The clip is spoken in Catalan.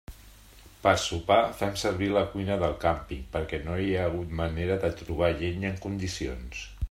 Per sopar, fem servir la cuina de càmping, perquè no hi ha hagut manera de trobar llenya en condicions.